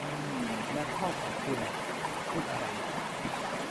และพ่อของคุณ เขาพูดอะไรน่ะ